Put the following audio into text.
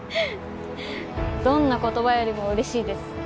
どんな言葉よりも嬉しいです。